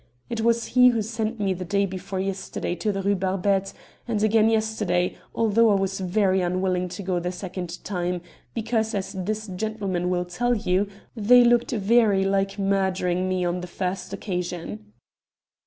It was he who sent me the day before yesterday to the Rue Barbette, and again yesterday, although I was very unwilling to go the second time, because, as this gentleman will tell you, they looked very like murdering me on the first occasion."